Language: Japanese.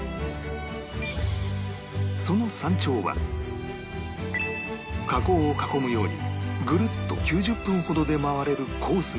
その山頂は火口を囲むようにグルッと９０分ほどで回れるコースがある